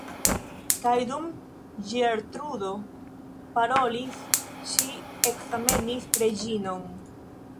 Kaj dum Ĝertrudo parolis, ŝi ekzamenis Reĝinon.